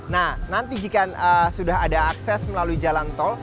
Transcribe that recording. nah nanti jika sudah ada akses melalui jalan tol